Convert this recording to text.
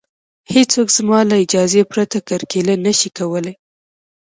هېڅوک زما له اجازې پرته کرکیله نشي کولی